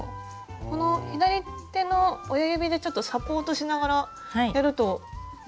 この左手の親指でちょっとサポートしながらやると簡単にできました。